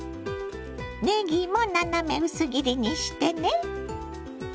ねぎも斜め薄切りにしてね。